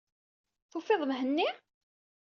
Tufid-d Mhenni?